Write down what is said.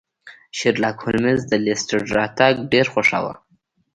شیرلاک هولمز د لیسټرډ راتګ ډیر خوښاوه.